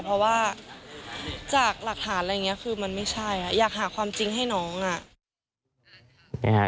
เพราะว่าจากหลักฐานอะไรอย่างนี้คือมันไม่ใช่อยากหาความจริงให้น้องอ่ะ